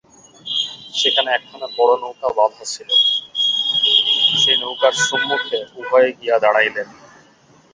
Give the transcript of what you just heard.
সেখানে একখানা বড়ো নৌকা বাঁধা ছিল, সেই নৌকার সম্মুখে উভয়ে গিয়া দাঁড়াইলেন।